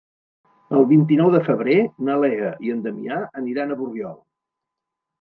El vint-i-nou de febrer na Lea i en Damià aniran a Borriol.